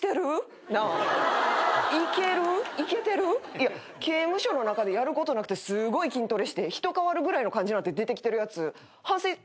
いや刑務所の中でやることなくてすごい筋トレして人変わるぐらいの感じになって出てきてるやつ反省してる？